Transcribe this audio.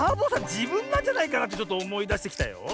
じぶんなんじゃないかなってちょっとおもいだしてきたよ。